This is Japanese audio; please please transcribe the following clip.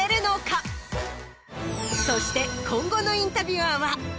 そして今後の「インタビュアー」は。